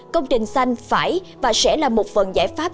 công trình xanh phải và sẽ là một phần giải pháp